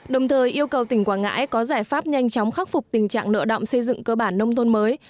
đồng thời yêu cầu tỉnh quảng ngãi có giải pháp nhanh chóng khắc phục tình trạng nợ động xây dựng cơ bản nông thôn mới